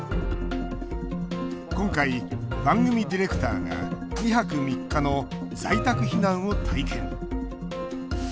今回、番組ディレクターが２泊３日の在宅避難を体験。